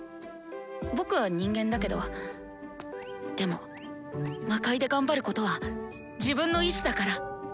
僕は人間だけどでも魔界で頑張ることは自分の意志だから。